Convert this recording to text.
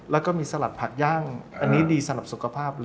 แล้วก็มีสลัดผักย่างที่ดีสำหรับสุขภาพ